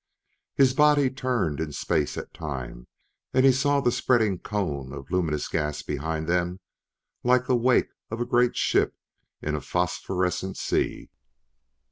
His body turned in space at times, and he saw the spreading cone of luminous gas behind them like the wake of a great ship in a phosphorescent sea.